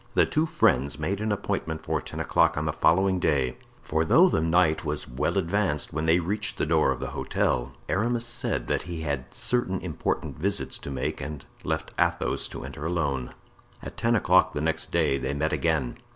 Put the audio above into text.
The two friends made an appointment for ten o'clock on the following day; for though the night was well advanced when they reached the door of the hotel, Aramis said that he had certain important visits to make and left Athos to enter alone. At ten o'clock the next day they met again.